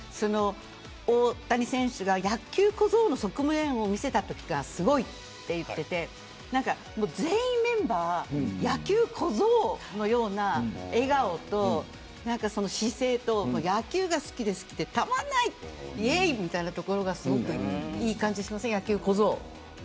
大谷選手が野球小僧の側面を見せたときがすごいと言っていてメンバー全員が野球小僧のような笑顔と姿勢と野球が好きで好きでたまらないみたいなところがいい感じがしませんか。